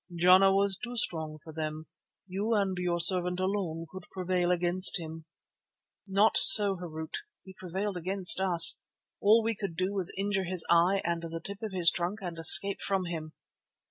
Jana was too strong for them; you and your servant alone could prevail against him." "Not so, Harût. He prevailed against us; all we could do was to injure his eye and the tip of his trunk and escape from him."